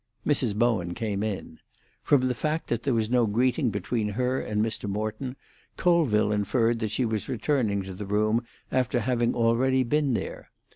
Mrs. Bowen came in. From the fact that there was no greeting between her and Mr. Morton, Colville inferred that she was returning to the room after having already been there.